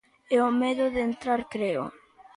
É o medo de entrar, creo.